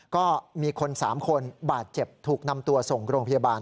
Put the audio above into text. ก็มีคน๓คนบาดเจ็บถูกนำตัวส่งโรงพยาบาล